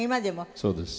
そうです。